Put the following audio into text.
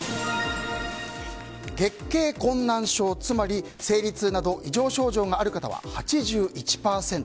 月経困難症、つまり生理痛など異常症状がある方は８１％。